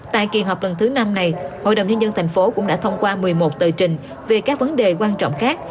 tại kỳ họp lần thứ năm này hội đồng nhân dân tp cũng đã thông qua một mươi một tờ trình về các vấn đề quan trọng khác